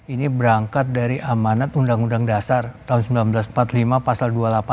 ini berangkat dari amanat undang undang dasar tahun seribu sembilan ratus empat puluh lima pasal dua puluh delapan